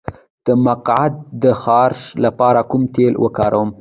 د مقعد د خارش لپاره کوم تېل وکاروم؟